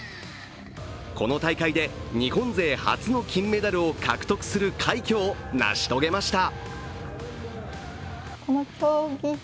この大会で、日本勢初の金メダルを獲得する快挙を成し遂げました。